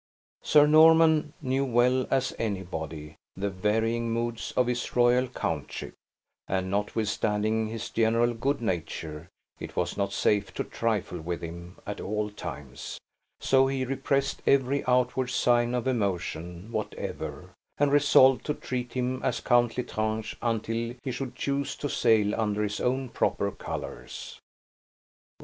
Sir Norman knew well as anybody the varying moods of his royal countship, and, notwithstanding his general good nature, it was not safe to trifle with him at all times; so he repressed every outward sign of emotion whatever, and resolved to treat him as Count L'Estrange until he should choose to sail under his own proper colors.